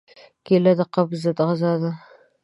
کېله د قبض ضد غذا ده.